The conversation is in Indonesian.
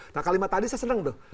nah kalimat tadi saya seneng tuh